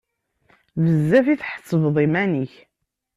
Bezzaf i tḥettbeḍ iman-ik!